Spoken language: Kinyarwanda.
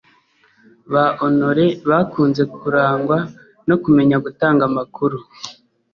Ba Honoré bakunze kurangwa no kumenya gutanga amakuru